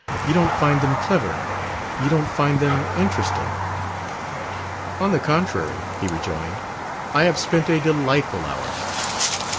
"You don't find them clever; you don't find them interesting." "On the contrary," he rejoined, "I have spent a delightful hour."